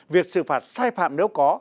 việc xử phạt sai phạm nếu có